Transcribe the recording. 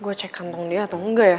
gue cek kantong dia atau enggak ya